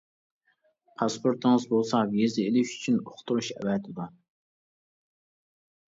پاسپورتىڭىز بولسا ۋىزا ئېلىش ئۈچۈن ئۇقتۇرۇش ئەۋەتىدۇ.